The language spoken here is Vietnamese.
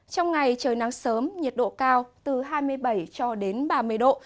trong ngày trời nắng sớm nhiệt độ cao từ hai mươi bảy cho đến ba mươi độ